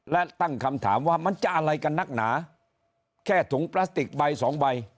และตั้งคำถามว่ามันจะอะไรกันนักหนาแค่ถุงพลาสติกใบสองใบ